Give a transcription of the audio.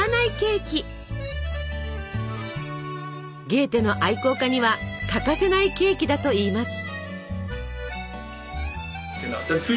ゲーテの愛好家には欠かせないケーキだといいます。